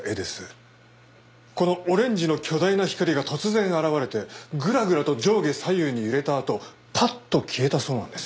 このオレンジの巨大な光が突然現れてグラグラと上下左右に揺れたあとパッと消えたそうなんです。